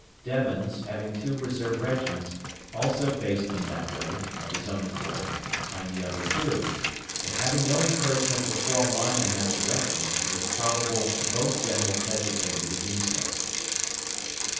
Devens, having two reserve regiments, also faced them that way, of his own accord, behind the other two, but having no encouragement to form line in that direction it is probable both generals hesitated to do so.